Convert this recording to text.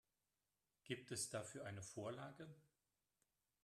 Gibt es dafür eine Vorlage?